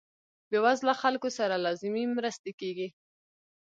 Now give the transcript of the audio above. بې وزله خلکو سره لازمې مرستې کیږي.